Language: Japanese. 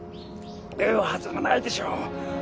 言うはずがないでしょう。